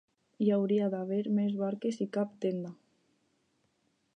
Hi hauria d'haver més barques i cap tenda.